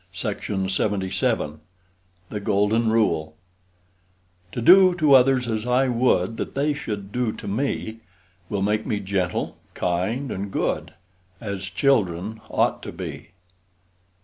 CARNEY THE GOLDEN RULE To do to others as I would That they should do to me, Will make me gentle, kind, and good, As children ought to be.